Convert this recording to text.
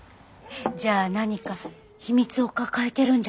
じゃあ何か秘密を抱えてるんじゃない？